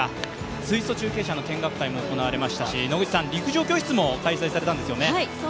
水素中継車の見学会も行われましたし、陸上教室も開催されたんですよね。